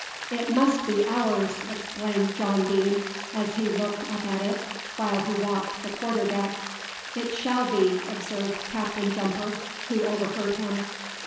"It must be ours!" exclaimed John Deane, as he looked up at it while he walked the quarter deck. "It shall be!" observed Captain Jumper, who overheard him.